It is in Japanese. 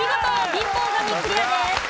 貧乏神クリアです。